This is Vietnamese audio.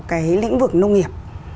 cái lĩnh vực nông nghiệp